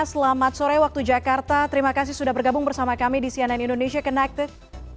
selamat sore waktu jakarta terima kasih sudah bergabung bersama kami di cnn indonesia connected